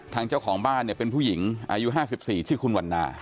เจ้าของบ้านเนี่ยเป็นผู้หญิงอายุ๕๔ชื่อคุณวันนา